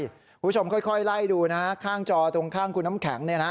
คุณผู้ชมค่อยไล่ดูนะข้างจอตรงข้างคุณน้ำแข็งเนี่ยนะ